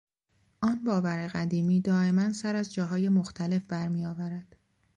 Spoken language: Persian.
آن باور قدیمی دایما سر از جاهای مختلف بر میآورد.